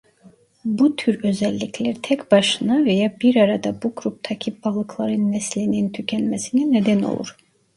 Bu tür özellikler tek başına veya bir arada bu gruptaki balıkların neslinin tükenmesine neden olur.